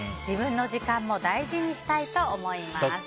自分の時間も大事にしたいと思います。